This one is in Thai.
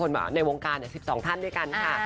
ในวงการ๑๒ท่านด้วยกันค่ะ